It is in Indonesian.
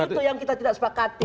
itu yang kita tidak sepakati